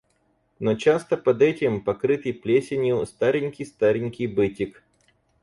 Но часто под этим, покрытый плесенью, старенький-старенький бытик.